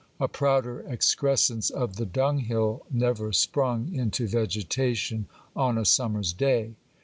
A prouder excrescence of the dunghill never sprung into vegetation on a summer's day.